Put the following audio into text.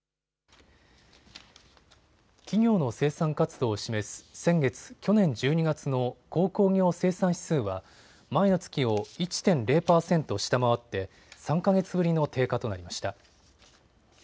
企業の生産活動を示す先月、去年１２月の鉱工業生産指数は前の月を１．０％下回って３か月ぶりの低下となりました。